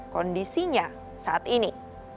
kondisinya saat ini